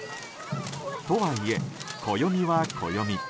とはいえ、暦は暦。